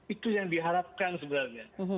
itu yang diharapkan sebenarnya